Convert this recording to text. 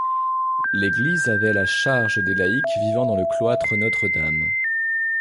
L'église avait la charge des laïcs vivant dans le cloître Notre-Dame.